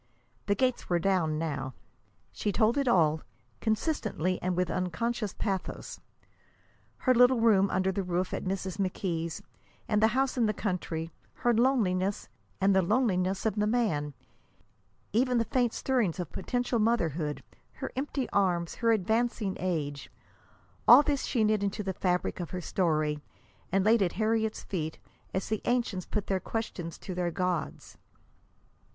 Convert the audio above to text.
The gates were down now. She told it all, consistently and with unconscious pathos: her little room under the roof at Mrs. McKee's, and the house in the country; her loneliness, and the loneliness of the man; even the faint stirrings of potential motherhood, her empty arms, her advancing age all this she knit into the fabric of her story and laid at Harriet's feet, as the ancients put their questions to their gods.